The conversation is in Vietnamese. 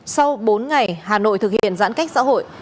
sau bốn ngày hà nội thực hiện giãn cách xã hội